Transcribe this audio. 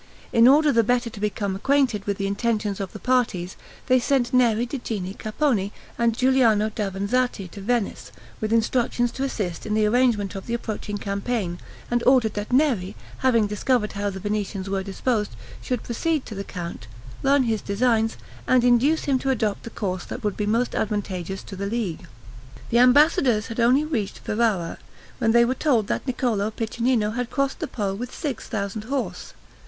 In order the better to become acquainted with the intentions of the parties, they sent Neri di Gini Capponi and Giuliano Davanzati to Venice, with instructions to assist in the arrangement of the approaching campaign; and ordered that Neri, having discovered how the Venetians were disposed, should proceed to the count, learn his designs, and induce him to adopt the course that would be most advantageous to the League. The ambassadors had only reached Ferrara, when they were told that Niccolo Piccinino had crossed the Po with six thousand horse.